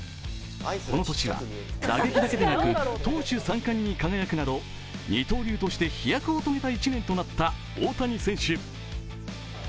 この年は打撃だけでなく投手三冠に輝くなど二刀流として飛躍を遂げた１年となった大谷選手。